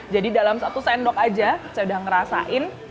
jadi dalam satu sendok aja saya udah ngerasain